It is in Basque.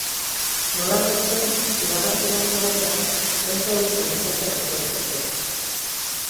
Nolanahi ere, iragarpenaren arabera, ez da euri kantitate askorik espero.